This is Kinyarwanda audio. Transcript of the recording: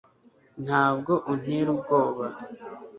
ntabwo untera ubwoba